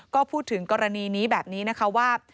ก็พูดถึงกรณีนี้แบบนี้นะคะว่า